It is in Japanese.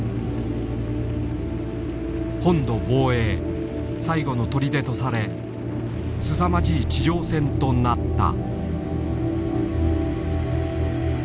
本土防衛最後の砦とされすさまじい地上戦となった。